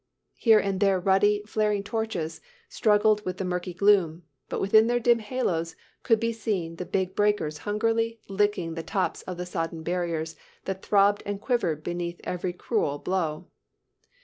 Here and there ruddy, flaring torches struggled with the murky gloom, but within their dim halos could be seen the big breakers hungrily licking the tops of the sodden barriers that throbbed and quivered beneath every cruel blow.